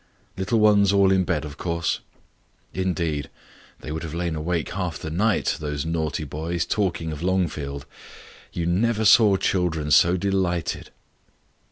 "Little ones all in bed, of course?" "Indeed, they would have lain awake half the night those naughty boys talking of Longfield. You never saw children so delighted."